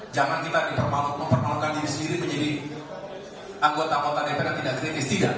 jangan kita memperkenalkan diri sendiri menjadi anggota anggota dpr yang tidak kritis tidak